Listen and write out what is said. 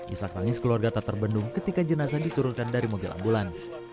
isak tangis keluarga tak terbendung ketika jenazah diturunkan dari mobil ambulans